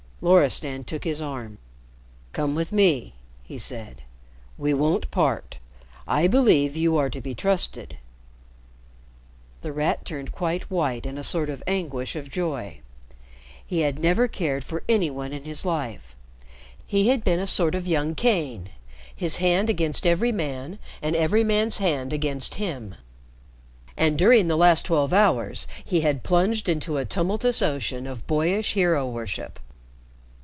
Loristan took his arm. "Come with me," he said. "We won't part. I believe you are to be trusted." The Rat turned quite white in a sort of anguish of joy. He had never cared for any one in his life. He had been a sort of young Cain, his hand against every man and every man's hand against him. And during the last twelve hours he had plunged into a tumultuous ocean of boyish hero worship.